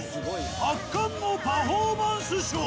圧巻のパフォーマンスショー